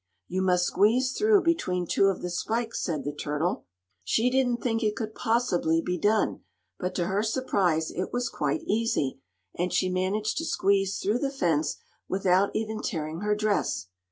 "You must squeeze through between two of the spikes," said the turtle. She didn't think it could possibly be done; but to her surprise it was quite easy, and she managed to squeeze through the fence without even tearing her dress.